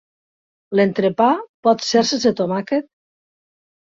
L'entrepà pot ser sense tomàquet?